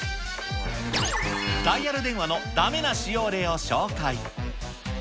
ダイヤル電話のだめな使用例を紹介。